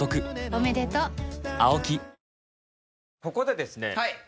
ここでですね